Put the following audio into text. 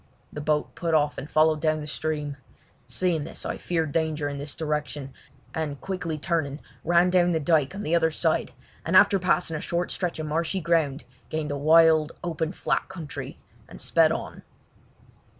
The boat put off and followed down the stream. Seeing this I feared danger in this direction, and quickly turning, ran down the dyke on the other side, and after passing a short stretch of marshy ground gained a wild, open flat country and sped on.